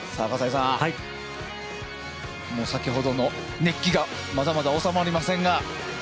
先ほどの熱気がまだまだ収まりませんが。